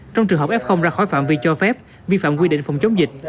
trong trường hợp f ra khỏi phạm vi cho phép vi phạm quy định phòng chống dịch